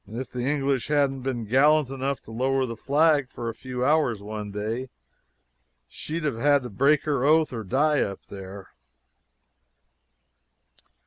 If the English hadn't been gallant enough to lower the flag for a few hours one day, she'd have had to break her oath or die up there."